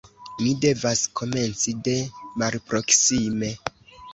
Mi devas komenci de malproksime.